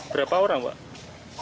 berapa orang pak